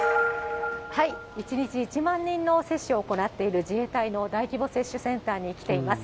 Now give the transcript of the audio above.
１日１万人の接種を行っている、自衛隊の大規模接種センターに来ています。